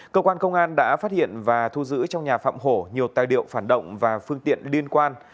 cơ quan công an đã phát hiện và thu giữ trong nhà phạm hổ nhiều tài liệu phản động và phương tiện liên quan